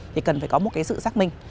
thì cần phải có một sự xác minh